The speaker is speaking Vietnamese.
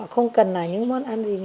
không cần những món ăn gì